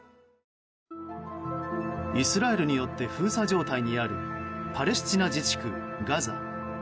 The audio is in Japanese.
イスラエルによって封鎖状態にあるパレスチナ自治区ガザ。